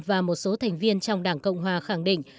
và một số thành viên trong đảng cộng hòa khẳng định